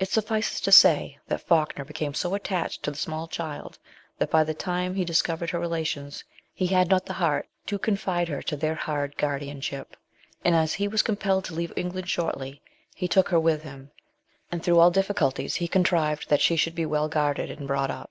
It suffices to say that Falkner became so attached to the small child, that by the time he discovered her relations he had not the heart to confide her to their hard guardianship, and as he was compelled to leave England shortly, he took her with him, and through all difficulties he contrived that she should be well 13 194 MRS. SHELLEY. guarded and brought up.